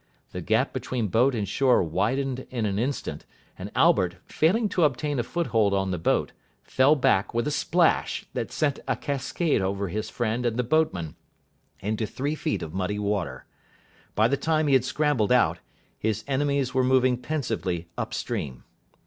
The gap between boat and shore widened in an instant, and Albert, failing to obtain a foothold on the boat, fell back, with a splash that sent a cascade over his friend and the boatman, into three feet of muddy water. By the time he had scrambled out, his enemies were moving pensively up stream.